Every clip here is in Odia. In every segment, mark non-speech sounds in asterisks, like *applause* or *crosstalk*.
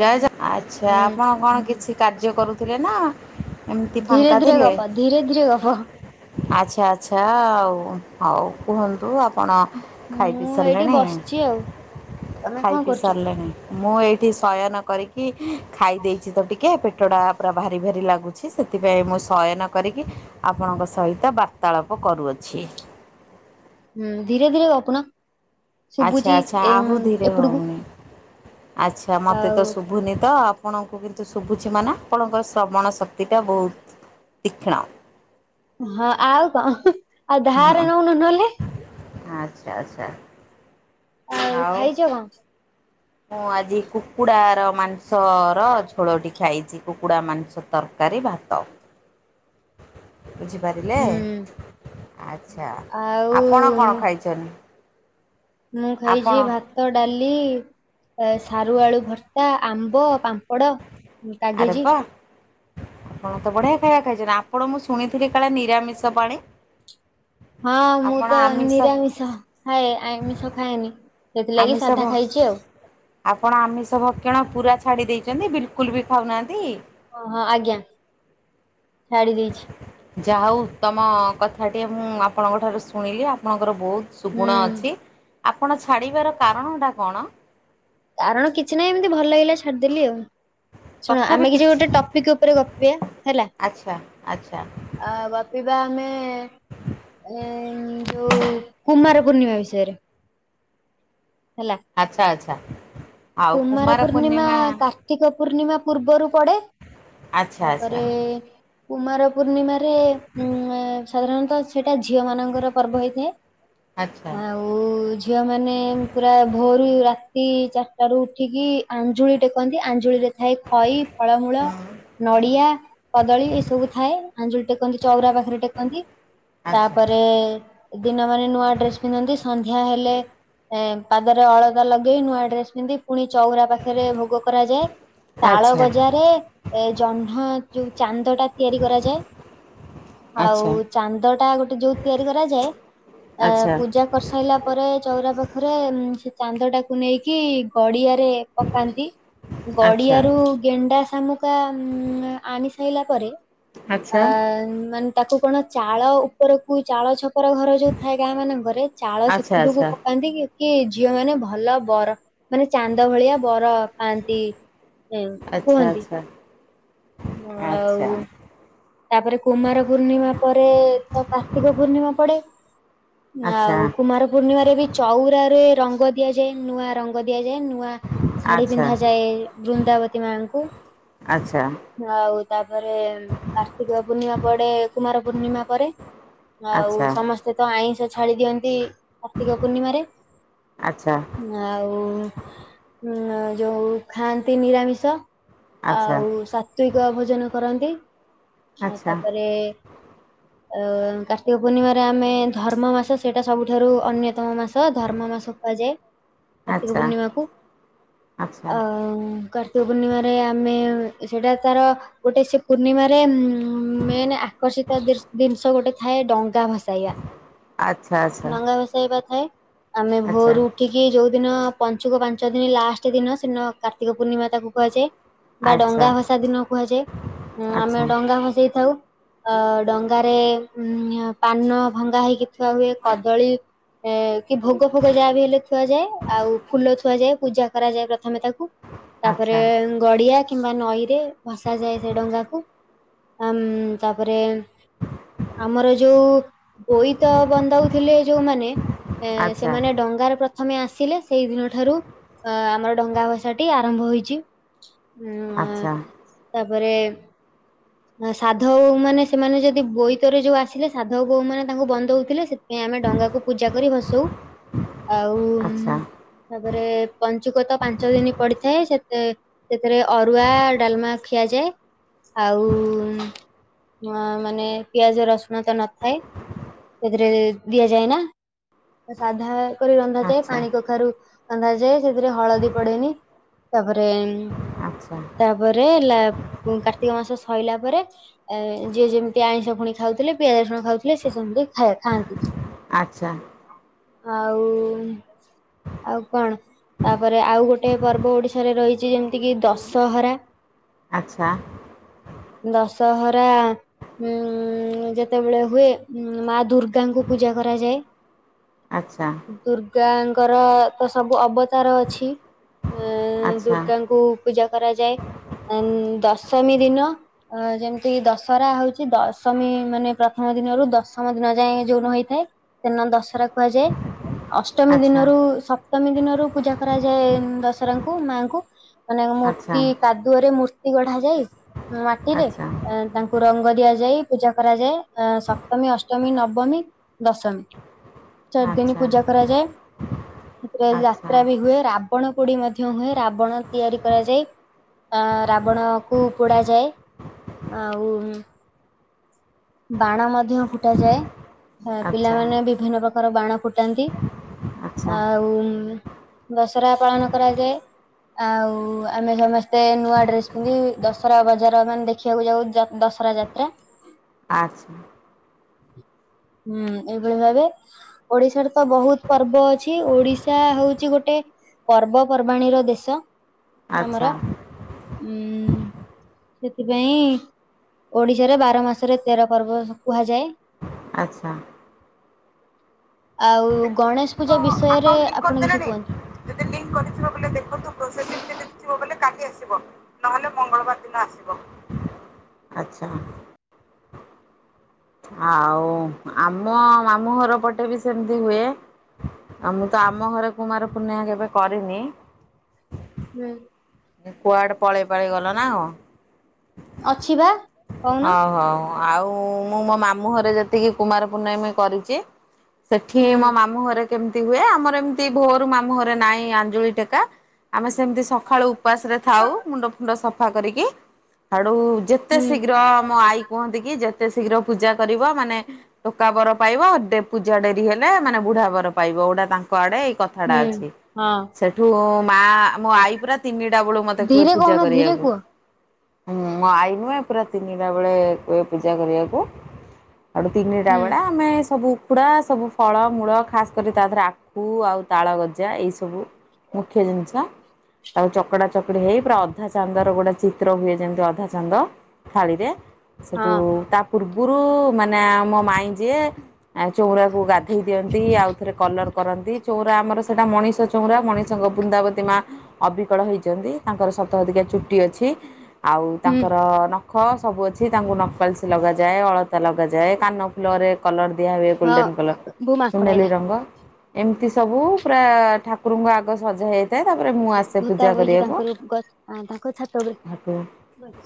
ଜୟ ଜଗ ଆଚ୍ଛା ହୁଁ। ଆପଣ କଣ କିଛି କାର୍ଯ୍ୟ କରୁଥିଲେ ନାଁ।? ଧୀରେ ଧୀରେ ଗପ ଧୀରେ ଧୀରେ ଗପ। ଆଚ୍ଛା ଆଚ୍ଛା ଆଉ ହଉ କୁହନ୍ତୁ ଆପଣ। ଖାଇ ପି ମୁଁ ଏଇଠି ସାରିଲେଣି। ବସିଛି ଆଉ ତମେ ଖାଇ କଣ ପି କରୁଛ? ସାରିଲେଣି? ମୁଁ ଏଇଠି ଶୟନ କରିକି ଇ ଖାଇ ଦେଇେଛି ତ ଟିକେ ପେଟଟା ପୁରା ଭାରି ଭାରି ଲାଗୁଛି ସେଥିପାଇଁ ମୁଁ ଶୟନ କରିକି ଆପଣଙ୍କ ସହିତ ବାର୍ତ୍ତାଳାପ କରୁଅଛି। ହୁଁ ଧୀରେ ଧୀରେ ଗପୁ ନ।। ଆଚ୍ଛା ଆଚ୍ଛା ଆହୁ ଧୀରେ ହଉନି। ଆଚ୍ଛା ମୋତେ ଆଉ ତ ସୁ ଶୁଭୁନି ତ ଆପଣଙ୍କୁ କିନ୍ତୁ ଶୁଭୁଛି ମାନ ଆପଣଙ୍କର ଶ୍ରବଣ ଶକ୍ତିଟା ବହୁତୁ ତିଖିଣ। ହଁ ଆଉ କ ଉହୁଁ। ଆଉ ହଁ ଧାରେ ନଉନୁ ନହେଲେ। ଆଚ୍ଛା ଆଚ୍ଛା। ଆଉ ଖାଇଛ କଣ? ମୁଁ ଆଜି କୁକୁଡାର ମାଂସର ଝୋଳ ଟିକେ ଖାଇଛି। କୁକୁଡ଼ା ମାଂସ ତକାରୀ ଭାତ। ବୁଝିପାରିଲେ ହୁଁ ଆଚ୍ଛା। ଆଉ ଆପଣ କଣ ଖାଇଛନ୍ତି? ମୁଁ ଆପଣ ଖାଇଛି ଭାତ, ଡାଲି, ସାରୁ ଆଳୁ ଭତ୍ତା। ଆମ୍ବ, ପାମ୍ପଡ଼, ଆରେ କାଗେଜି ବା। ଆପଣ ତ ବଢିଆ ଖାଇବା ଖାଇଛନ୍ତି। ଆପଣ ମୁଁ ଶୁଣିଥିଲି କାଳେ ନିରାମିଷ ପାଣି। ହଁ ମୁଁ ଆପଣ ତ ଆମିଷ ନିରାମିଷ ଖାଏ ଆାମିଷ ଖାଏନି। ସେଥିଲାଗି ଆମିଷ ସାଧା ଭ ଖାଇଛି ଆଉ ଆପଣ ଆମିଷ ଭକ୍ଷଣ ପୁରା ଛାଡ଼ି ଦେଇଛନ୍ତି। ବିଲକୁଲୁ ବି ଖାଉନାହାନ୍ତି। ହଁ ହଁ ଆଜ୍ଞା। ଛାଡି ଦେଇଛି। ଯାହା ହଉ ତମ କଥାଟିଏ ମୁଁ ଆପଣଙ୍କ ଠାରୁ ଶୁଣିଲି ଆପଣଙ୍କର ବହୁତୁ ସୁବୁଣ ହୁଁ ଅଛି। ଆପଣ ଛାଡ଼ିବାର କାରଣଟା କଣ? କାରଣ କିଛି ନାହିଁ ଏମିତି ଭଲ ଲାଗିଲା ଛାଡିଦେଲି ଆଉ। ଶୁଣ ଆମେ କିଛି ଗୋଟେ ଟପିକି ଉପରେ ଗପିବା ହେଲା। ଆଚ୍ଛା ଆଚ୍ଛା ଆ ଗପିବା ଆମେ ଏ ଯୋଉ କୁମାର ପୂର୍ଣ୍ଣିମା ବିଷୟରେ। ହେଲା। ଆଚ୍ଛା ଆଚ୍ଛା। କୁମାର ପୂର୍ଣ୍ଣିମା କାତେ କାର୍ତ୍ତିକ ପୂର୍ଣ୍ଣିମା ପୂର୍ବରୁ ପଡେ। ଆଚ୍ଛା ତାପରେ କୁମାର ପୂର୍ଣ୍ଣିମାରେ ଉ ସାଧାରଣତଃ ସେଇଟା ଝିଅ ମାନଙ୍କର ପର୍ବ ହେଇଥାଏ। ଆଚ୍ଛା ଆଚ୍ଛା ଆଉ ଆଉ ଝିଅମାନେ ପୁରା ଭୋରୁ ରାତି ଚା ଚାଟା ରୁ ଉଠିକି ଆଞ୍ଜୁଳି ଟେକନ୍ତି ଆଞ୍ଜୁଳିରେ ଥାଏ ଖଇ ଫଳମୂଳ ହୁଁ ହୁଁ ନଡିଆ, କଦଳୀ ଏ ସବୁ ଥାଏ ଆଞ୍ଜୁଳି ଟେକନ୍ତି ଚଉରା ପାଖେରେ ଟେକନ୍ତି। ଆଚ୍ଛା ତାପରେ ଦିନ ବଳେ ନୂଆ ଡ୍ରେସ୍ ପିନ୍ଧନ୍ତି ସନ୍ଧ୍ୟା ହେଲେ ଏ- ପାଦରେ ଅଳତା ଲଗେଇ ନୂଆ ଡ୍ରେସ୍ ସେମିତି ପୁଣି ଚଉରା ପାଖେରେ ଭୂଗ କରାଯାଏ ତାଳ ଆଚ୍ଛା ଗଜାରେ ଏ ଜହ୍ନ ଯଉ ଚାନ୍ଦ ଟା ତିଆରି କରାଯାଏ ଆଚ୍ଛା ଆଉ ଚାନ୍ଦ ଟା ଗୋଟେ ଯଉ ତିଆରି କରାଯାଏ ଆ- ଆଚ୍ଛା ପୂଜା କରିସ୍ ଖାଇଲା ପରେ ଚଉରା ପାଖରେ ସେ ଚାନ୍ଦ ଟାକୁ ନେଇକି ଗଡିଆରେ ପକାନ୍ତି। ଆଚ୍ଛା ଗଡିଆରୁ ଗେଣ୍ଡା ଶାମୁକା ଉଁ- ଆଣି ସାରିଲା ପରେ ଆଚ୍ଛା ଆ- ମାନେ ତାକୁ କଣ ଚାଳ ଉପରକୁ ଚାଳ ଛ ର ଘର ଯଉ ଥାଏ ଗାଁ ମାନଙ୍କରେ ଚାଳ ସେପଟକୁ ଆଚ୍ଛା ପକାନ୍ତି କି ଝିଅ ମାନେ ଭଲ ବର ମାନେ ଚାନ୍ଦ ଭଳିଆ ବର ପାଆନ୍ତି ଏ- ଆଚ୍ଛା ଆଚ୍ଛା କୁହନ୍ତି। ହଁ- ଆଚ୍ଛା ଆଉ ତାପରେ କୁମାର ପୂର୍ଣ୍ଣିମା ପରେ ତ କାର୍ତ୍ତିକ ପୂର୍ଣ୍ଣିମା ପଡେ। ଆଉ କୁମାର ପୂର୍ଣ୍ଣିମାରେ ବି ଚଉରାରେ ରଙ୍ଗ ଦିଆଯାଏ ନୂଆ ରଙ୍ଗ ଦିଆଯାଏ ନୂଆ ଆଚ୍ଛା ଶାଢୀ ଆଚ୍ଛା ଆଚ୍ଛା ପିନ୍ଧାଯାଏ ବୃନ୍ଦାବତୀ ମାଙ୍କୁ ଆଚ୍ଛା ଆଉ ତାପରେ କାର୍ତ୍ତିକ ପୂର୍ଣ୍ଣିମା ପଡେ କୁମାର ପୂର୍ଣ୍ଣିମା ପରେ ଆଚ୍ଛା ଆଉ ଆଚ୍ଛା ସମସ୍ତେ ସେ ତ ଆଇଁଷ ଛାଡି ଦିଅନ୍ତି କାର୍ତ୍ତିକ ପୂର୍ଣ୍ଣିମାରେ। ଆଚ୍ଛା। ଆଉ ଯଉ ଖାଆନ୍ତି ନିରାମିଷ। ଆଚ୍ଛା ଆଉ ସାତ୍ତ୍ୱିକ ଭୋଜନ କରନ୍ତି ଆଚ୍ଛା ତାପରେ ଆ- କାର୍ତ୍ତିକ ପୂର୍ଣ୍ଣିମାରେ ଆମେ ଧର୍ମ ମାସ ସେଇଟା ସବୁଠାରୁ ଅନ୍ୟତମ ମାସ ଧର୍ମ ମାସ କୁହାଯାଏ। କାର୍ତ୍ତିକ ଆଚ୍ଛା ପୂର୍ଣ୍ଣିମାକୁ ଆଚ୍ଛା ଅ-କା ପୂର୍ଣ୍ଣିମାରେ ଆମେ ସେଇଟା ତାର ଗୋଟେ ସେ ପୂର୍ଣ୍ଣିମାରେ ମେନେ ଆକର୍ଷିତ ଦି-ଜିନିଷ ଗୋଟେ ଥାଏ ଡଙ୍ଗା ଭସାଇବା। ଆଚ୍ଛା ଡଙ୍ଗା ଭସେଇବା ଥାଏ ଆମେ ଆଚ୍ଛା ଭୋରୁ ଉଠିକି କିଏ ଯଉ ଦିନ ପଞ୍ଚୁକ ପାଞ୍ଚ ଦିନ ଲାଷ୍ଟେ ଦିନ ସେଦିନ କାର୍ତ୍ତିକ ପୂର୍ଣ୍ଣିମା ତାକୁ କୁହାଯାଏ। ବା ଆଚ୍ଛା ଡଙ୍ଗା ଭସା ଦିନ କୁହାଯାଏ ଉଁ- ଆମେ ଡଙ୍ଗା ଭସେଇଥାଉ। ଅ- ଡଙ୍ଗାରେ ଉଁ- ପାନ ଭଙ୍ଗା ହେଇକି ଥୁଆ ହୁଏ କଦଳୀ ଏ -କି ଭୋଗ ଫୋଗ ଯାହା ବି ହେଲେ ଥୁଆଯାଏ ଆଉ ଫୁଲ ଥୁଆଯାଏ ପୂଜା କରାଯାଏ ପ୍ରଥମେ ତାକୁ। ତାପରେ ଆଚ୍ଛା ଗଡିଆ କିମ୍ବା ନଈ ରେ ଭସାଯାଏ ସେ ଡଙ୍ଗାକୁ। ଆମ୍ -ତାପରେ ଆମର ଯଉ ବୋଇତ ବନ୍ଦାଉଥିଲେ ଯଉମାନେ ଏଁ- ଆଚ୍ଛା ସେମାନେ ଡଙ୍ଗାରେ ପ୍ର ପ୍ରଥମେ ଆସିଲେ ସେଇ ଦିନ ଠାରୁ ଅ- ଆମର ଡଙ୍ଗା ଭସା ଟି ଆରମ୍ଭ ହୋଇଚି। ଆଚ୍ଛା ଉଁ- ଆ-ତାପରେ ସାଧବ ବୋହୂ ମାନେ ସେମାନେ ଯଦି ବୋଇତରେ ଯଉ ଆସିଲେ ସାଧବ ବୋହୂ ମାନେ ତାଙ୍କୁ ବନ୍ଦଉଥିଲେ ସେ ଥିପାଇଁ ଆମେ ଡଙ୍ଗାକୁ ପୂଜା କରି ଭସଉ। ହୁଁ ଆଉ ତାପରେ ପଞ୍ଚୁକ ତ ପାଞ୍ଚ ଦିନି ପଡିଥାଏ ସେତେ ସେଥିରେ ଅରୁଆ ଡାଲ୍ମା ଖିଆଯାଏ ଆଉ ଉଁ- ମାନେ ପିଆଜ ରସୁଣ ତ ନଥାଏ ସେଇଥିରେ ଦିଆଯାଏ ନା। ସାଧା କରି ରନ୍ଧାଯାଏ ଆଚ୍ଛା ପାଣି କଖାରୁ ରନ୍ଧାଯାଏ ସେଥିରେ ହଳଦୀ ପଡେନି। ତାପରେ ଆଚ୍ଛା ଆଚ୍ଛା। ଘରେ ଲା-ଉଁ, କାର୍ତ୍ତିକ ମାସ ସଇଲା ପରେ। ଏ ଯିଏ ଯେମିତି ଆଇଁଷ ଫୁଣି ଖାଉଥିଲେ ପିଆଜ ରସୁଣ ଖାଉଥିଲେ ସେ ସେମିତି ଖାଏ ଖାଆନ୍ତି। ଆଚ୍ଛା। ଆଉ ଆଉ କଣ? ତାପରେ ଆଉ ଗୋଟେ ପର୍ବ ଓଡିଶାରେ ରହିଛି ଯେମିତି କିି ଦଶହରା। ଆଚ୍ଛା। ଦଶହରା ଉଁ, ଯେତେବେଳେ ହୁଏ ଉଁ, ମା ଦୁର୍ଗାଙ୍କୁ ପୂଜା କରାଯାଏ। ଆଚ୍ଛା। ଦୁର୍ଗାଙ୍କର ତ ସବୁ ଅବତାର ଅଛି। ଅ, ଆଚ୍ଛା ଦୁର୍ଗାଙ୍କୁ ପୂଜା କରାଯାଏ ଅନ୍, ଦଶମୀ ଦିନ ହଁ, ଅ, ଯେମିତି ଦଶହରା ହଉଛି ଦଶମୀ ମାନେ ପ୍ରଥମ ଦିନରୁ ଦଶ ଥମ ଦିନ ଯାଏଁ ଯୋଉ ନ ହେଇଥାଏ ସେଦିନ ଦଶହରା କୁହାଯାଏ। ଅଷ୍ଟମୀ ଦିନରୁ ସପ୍ତମୀ ଦିନରୁ ପୂଜା କରାଯାଏ ଉଁ, ଦଶହରାଙ୍କୁ ମାଙ୍କୁ। ମାନେ ଆଚ୍ଛା ଆଚ୍ଛା ମୂର୍ତ୍ତି କାଦୁଅରେ ମୂର୍ତ୍ତି ଗଢା ଯାଇ ଆଚ୍ଛା ଆଚ୍ଛା ଆଚ୍ଛା ଆଚ୍ଛା ମାଟିରେ। ଆଚ୍ଛା ଅ, ତାଙ୍କୁ ରଙ୍ଗ ଦିଆଯାଇ ପୂଜା କରାଯାଏ, ଅ, ସପ୍ତମୀ, ଅଷ୍ଟମୀ, ନବମୀ ଦଶମୀ। *unintelligible* ଚାରଦିନି ପୂଜା କରାଯାଏ, ସେଥିରେ ଯାତ୍ରା ବି ହୁଏ, ରା ବଣ ପୋଡ଼ି ମଧ୍ୟ ହୁଏ, ରାବଣ ତିଆରି କରାଯାଏ ଅ, ରାବଣକୁ ପୋଡ଼ାଯାଏ। ଆଉ ଉଁ, ବାଣ ମଧ୍ୟ ଫୁଟ ଯାଏ। ହୋ ପିଲାମାନେ ବିଭିନ୍ନ ପ୍ରକାର ବାଣ ଫୁଟାନ୍ତି। ଆଉ ଉଁ, ଦଶହରା ପାଳନ କରାଯାଏ। ଆଉ ଆମେ ସମସ୍ତେ ନୂଆ ଡ୍ରେସ୍ ପିନ୍ଧି ଦଶହରା ବଜାର ମାନେ ଦେ ଖିବାକୁ ଯାଉ ଯ- ଦଶହରା ଯାତ୍ରା। ଆଚ୍ଛା। ହୁଁ, ଏଇଭଳି ଭାବେ ଓଡିଶାରେ ତ ବହୁତ ପର୍ବ ଅଛି। ଓଡିଶା ହଉଛି ଗୋଟେ ପର୍ବପର୍ବାଣୀର ଦେଶ ଆଚ୍ଛା ଆଚ୍ଛା ଆମର, ଉଁ, ସେଥିପାଇଁ ଓଡିଶାରେ ବାର ମାସରେ ତେର ପର୍ବ କୁହାଯାଏ। ଆଚ୍ଛା। ଆଉ ଗଣେଶ ତ ପୂଜା ଆକାଉଣ୍ଟ ବିଷୟରେ ଲିଙ୍କ୍ ଆପଣ କିଛି କରିଦେଲେଣି କୁହନ୍ତୁ। ଯଦି ଲିଙ୍କ୍ କରିଥିବ ପିଲେ ଦେଖତ ପ୍ରୋସେସିଂ ସେଟା। ପୁଅ କହିଲେ କାଲି ଆସିବ, ନହେଲେ ମଙ୍ଗଳବାର ଦିନ ଆସିବ। ଆଉ ଆମ ମାମୁଁ ଘର ପଟେ ବି ସେମିତି ହୁଏ। ଆଉ ମୁଁ ତ ଆମ ଘରେ କୁମାର ପୂର୍ଣ୍ଣିମା କେବେ କରିନି। ହୁଁ। ଏ କୁଆଡେ ପଳେଇ ପାଳେଇ ଗଲ ନା କଣ? ଅଛି ବା। କହୁନ? ହଉ ହଉ ଆଉ ମୁଁ ମୋ ମାମୁଁ ଘରେ ଯେତିକି କୁମାର ପୂର୍ଣ୍ଣମୀ କରିଚି। ସେଠି ହୁଁ ମୋ ମାମୁଁ ଘରେ କେମିତି ହୁଏ ଆମର ଏମିତି ଭୋରୁ ମାମୁଁ ଘରେ ନାହିଁ ଆଞ୍ଜୁଳି ଟେକା। ଆମେ ସେମିତି ସଖାଳୁ ଉପାସ ରେ ଥାଉ ମୁଣ୍ଡ ଫୁଣ୍ଡ ସଫା କରିକି। ସାଡୁ ଯେତେ ହୁଁ ତ ମୋ ଆଈ କୁହନ୍ତି କି ଯେତେ ଶୀଘ୍ର ପୂଜା କରିବ ମାନେ ଟୋକା ବର ପାଇବ ଦେ- ପୂଜା ଡେରି ହେଲେ ମାନେ ବୁଢା ବର ପାଇବ। ଗୋଟା ତାଙ୍କ କୁଆଡେ ଏଇ ହୁଁ କଥାଟା ଅଛି। ହଁ ସେଠୁ ମାଁ ମୋ ଆଈ ପୁରା ତିନିଟା ବଳୁ ମତେ କୁହେ ଧୀରେ ପୂଜା କହୁନ ଧୀରେ କରିଆକୁ। କୁହ। ହୁଁଁ ମୋ ଆଈ ନୁହେଁ ପୁରା ତିନିଟା ବେଳେ କୁହେ ପୂଜା କରିଆକୁ। ଆଡ଼ୁ ତିନିଟା ହୁଁ ବେଳେ ଆମେ ସବୁ ଉଖୁଡା ସବୁ ଫଳ ମୂଳ ଖାସ୍ କରି ତା ଦେହରେ ଆଖୁ ଆଉ ତାଳ ଗଜା ଏଇ ସବୁ ମୁଖ୍ୟ ଜିନିଷ। ତାକୁ ଚକଡ଼ା ଚକଡି ହେଇ ପୁରା ଅଧା ଚାନ୍ଦ ର ଗୋଟେ ଚିତ୍ର ହୁଏ ଯେମିତି ଅଧା ଚାନ୍ଦ। ଥାଳିରେ ହଁ ସେଠୁ ତା ପୂର୍ବରୁ ମାନେ ଆମ ମାଇଁ ଯିଏ ଆ ଚଉଁରା କୁ ଗାଧେଇ ଦିଅନ୍ତି ଆଉଥରେ କଲର କରନ୍ତି ଚଉରା ଆମର ସେଟା ମଣିଷ ଚଉଁରା ମଣିଷଙ୍କ ବୃନ୍ଦାବତୀ ମାଁ ଅଭି ଅବିକଳ ହେଇଚନ୍ତି ତାଙ୍କର ସତ ସତିକା ଚୁଟି ଅଛି, ଆଉ ହୁଁ ତାଙ୍କର ନ ନଖ ସବୁ ଅଛି ତାଙ୍କୁ ନକପାଲିସ୍ ଲଗାଯାଏ ଅଳତା ଲଗାଯାଏ କାନ ଫୁଲରେ କଲର ଦିଆ ହୁଏ ହଁ ଗୋଲ୍ଡେନ କଲର ବୋଉ ମାଙ୍କଡ ସୁନେଲି ଆଇଲା। ରଙ୍ଗ। ଏମିତି ସବୁ ପୁରା ଠାକୁରଙ୍କୁ ଆଗ ସଜା ହେଇ ଥାଏ ତାପରେ ମୁଁ ଆସେ ଭୂତା ପୂଜା ବଇଚି କରିଆକୁ ତାଙ୍କରି ଗ ତାଙ୍କ ଛାତ ଉପରେ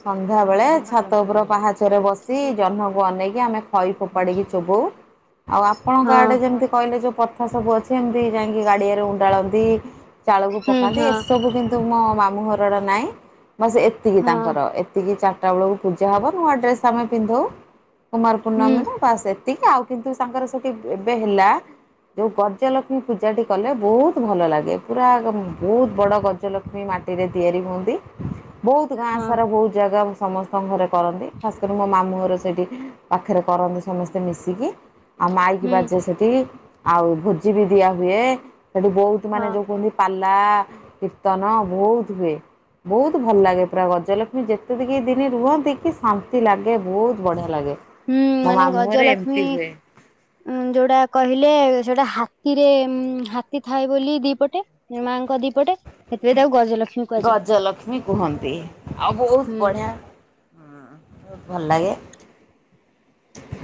ସନ୍ଧ୍ୟାବେଳେ ଛାତ ଉପର ପାହାଚରେ ବସି ଜହ୍ନକୁ ଅନେଇକି ଆମେ ଖଇ ଫୋପାଡିକି ଚୋବଉ। ଆଉ ଆପଣଙ୍କ ହଁ ଆଡେ ଯେମିତି କହିଲେ ଯୋଉ ପଥା ସବୁ ଅଛି ଏମିତି ଯାଇଁକି ଗାଡିଆରେ ଉଣ୍ଡାଳନ୍ତି ଚାଳକୁ ହୁଁ ପକାନ୍ତି ହଁ ଏସବୁ କିନ୍ତୁ ତୁ ମୋ ମାମୁଁ ଘର ଆଡେ ନାଇଁ ବାସ୍ ଏତିକି ହଁ। ତାଙ୍କର ଏତିକି ଚା ଚାରଟା ବେଳକୁ ପୂଜା ହବ ନୂଆ ଡ୍ରେସ୍ ଆମେ ପିନ୍ଧଉ କୁମାର ହୁଁ ପୂର୍ଣ୍ଣମି ରେ। ବାସ୍ ଏତିକି ଆଉ କିନ୍ତୁ ତାଙ୍କର ସେଠି ଏବେ ହେଲା ଯୋଉ ଗଜଲକ୍ଷ୍ମୀ ପୂଜାଟି କଲେ ବହୁତ ଭଲ ଲାଗେ ପୁରା ବହୁତ ବଡ ଗ ଗଜଲକ୍ଷ୍ମୀ ମାଟିରେ ତିଆରି ହୁଅନ୍ତି। ବହୁତ ଗାଁ ହଁ ସାରା ବହୁ ଜାଗା ସମସ୍ତଙ୍କ ଘରେ କରନ୍ତି ଖାସ୍ କରି ମୋ ମାମୁଁ ଘର ସେଇଠି ପାଖରେ କରନ୍ତି ସମସ୍ତେ ମିଶିକି ଆଉ ମାଇକି ହୁଁ ବାଜେ ସେଠି। ଆଉ ଭୋଜି ବି ଦିଆ ହୁଏ ସେଠି ବହୁତ ମାନେ ହଁ ଯୋଉ କୁହନ୍ତି ପାଲା, କୀର୍ତ୍ତନ ବହୁତ ହୁଏ, ବହୁତ ଭଲ ଲାଗେ ପୁରା ଗଜଲକ୍ଷ୍ମୀ ଯେତେ ଦି ଯେତିକି ଦିନି ରୁହନ୍ତି କି ଶାନ୍ତି ଲାଗେ ବହୁତ ବଢିଆ ଲାଗେ। ହୁଁ ମୋ ମାନେ ମାମୁଁ ଘରେ ଗଜଲକ୍ଷ୍ମୀ ଏମିତି ହୁଏ ଉଁ ଯୋଉଟା କହିଲେ ସେଟା ହାତୀରେ ଉଁ ହାତୀ ଥାଏ ବୋଲି ଦିପଟେ ମାଆଙ୍କ ଦିପଟେ ସେଥିପାଇଁ ତାକୁ ଗଜଲକ୍ଷ୍ମୀ କୁହାଯାଏ। ଗଜଲକ୍ଷ୍ମୀ କୁହନ୍ତି ଆଉ ବହୁତ ହୁଁ ବଢ଼ିଆ ବହୁତ ଭଲ ଲାଗେ।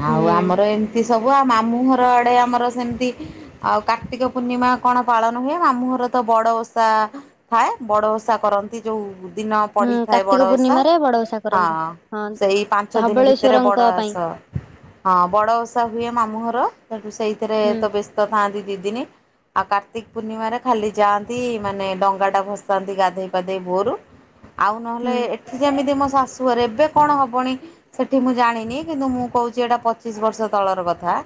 ହୁଁ ଆଉ ଆମର ଏମିତି ସବୁ ଆଉ ମାମୁଁ ଘର ଆଡେ ଆମର ସେମିତି ଆଉ କାର୍ତ୍ତିକ ପୂର୍ଣ୍ଣିମା କଣ ପାଳନ ହୁଏ, ମାମୁଁଘର ତ ବଡ ଓଷା ଥାଏ ବଡ ଓଷା କରନ୍ତି। ଯୋଉ ଦିନ ହୁଁ ପଡିଥାଏ କାର୍ତ୍ତିକ ବଡ ଓଷା ପୂର୍ଣ୍ଣିମାରେ ବଡ ହଁ ଓଷା କରନ୍ତି। ହଁ ସେଇ ପାଞ୍ଚ ପାଞ୍ଚ ଦିନି ଭିତରେ ଧବଳେଶ୍ଵରଙ୍କ ବଡ଼ ପାଇଁ ଆସ ହଁ ବଡ ଓଷା ହୁଏ ମାମୁଁ ଘର ସେଠୁ ସେଇଥିରେ ହୁଁ ତ ବ୍ୟସ୍ତ ଥାନ୍ତି ଦି ଦିନି। ଆଉ କାର୍ତ୍ତିକ ପୂର୍ଣ୍ଣିମାରେ ଖାଲି ଯାଆନ୍ତି ମାନେ ଡଙ୍ଗା ଟା ଭସାନ୍ତି ଗାଧେଇ ପାଧେଇ ଭୋରୁ। ଆଉ ହୁଁ ନହେଲେ ଏଠି ଯେମିତି ମୋ ଶାଶୁଘରେ ଏବେ କଣ ହବଣିି ସେଠି ମୁଁ ଜାଣିନି କିନ୍ତୁ ମୁଁ କହୁଚି ଏଇଟା ପଚିଶି ବର୍ଷ ତଳର କଥା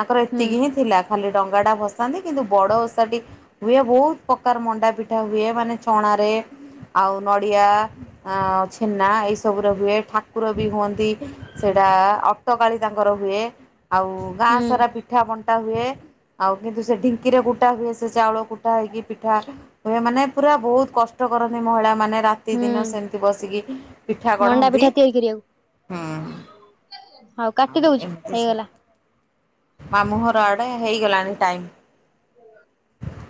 ତାଙ୍କର ହୁଁ ଏତିକି ହିଁ ଥିଲା। ଖାଲି ଡଙ୍ଗାଟା ଭସାନ୍ତି କିନ୍ତୁ ବଡ଼ ଓଷା ଟି ହୁଏ ବହୁତ ପ୍ରକାର ମଣ୍ଡା ପିଠା ହୁଏ ମାନେ ଛଣାରେ ଆଉ ନଡ଼ିଆ ଆଁ ଛେନା ଏଇ ସବୁରେ ହୁଏ ଠାକୁର ବି ହୁଅନ୍ତି। ସେଇଟା-ଆ ଅଟ୍ଟକାଳି ତାଙ୍କର ହୁଏ ଆଉ ହୁଁ ଗାଆଁ ସାରା ପିଠା ବଣ୍ଟା ହୁଏ। ଆଉ କିନ୍ତୁ ସେ ଢିଙ୍କିରେ କୁଟା ହୁଏ ସେ ଚାଉଳ କୁଟା ହେଇକି ପିଠା ହୁଏ ମାନେ ପୁରା ବହୁତ କଷ୍ଟ କରନ୍ତି ମହିଳା ମାନେ ରା ହୁଁ ରାତିଦିନ ସେମିତି ବସିକି ପିଠା ମଣ୍ଡା ଗଢନ୍ତି ପିଠା ତିଆରି କରିବାକୁ ହୁଁ। ହଉ କାଟି ଆଉ ଦଉଛି ଏମିତି ହେଇଗଲା। ମାମୁଁ ଘରଆଡେ ହେଇଗଲାଣି ଟାଇମ୍। ହୁଁ